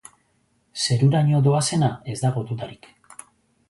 Zeruraino doazena ez dago dudarik.